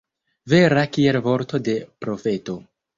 Vera kiel vorto de profeto.